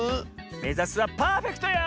めざすはパーフェクトよ！